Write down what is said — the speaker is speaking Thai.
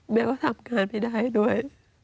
แม่ก็ทำงานไม่ได้ด้วย